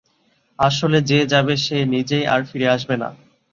আসলে যে যাবে সে নিজেই আর ফিরে আসবে না।